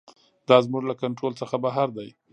دا زموږ له کنټرول څخه بهر دی.